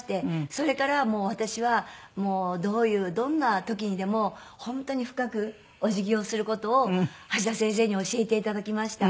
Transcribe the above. それからはもう私はどういうどんな時にでも本当に深くお辞儀をする事を橋田先生に教えていただきました。